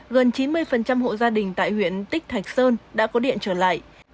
gần chín mươi hộ gia đình tại huyện tích thạch sơn đã có điện trở lại